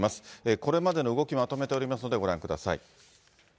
これまでの動き、まとめておりますのでご覧ください。